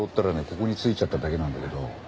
ここに着いちゃっただけなんだけど。